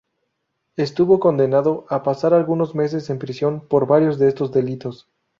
Estuvo condenado a pasar algunos meses en prisión por varios de estos delitos.